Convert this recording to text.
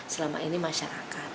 selama ini masyarakat